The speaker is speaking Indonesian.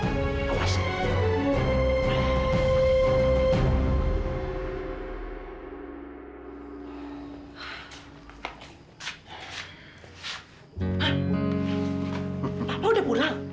pak maman sudah pulang